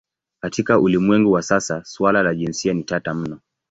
Katika ulimwengu wa sasa suala la jinsia ni tata mno.